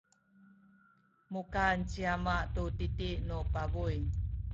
mukan ci ama tu titi nu pabuy.